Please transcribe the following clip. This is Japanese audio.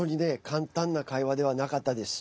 簡単な会話ではなかったです。